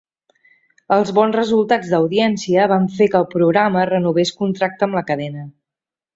Els bons resultats d'audiència van fer que el programa renovés contracte amb la cadena.